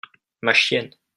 Ma chienne.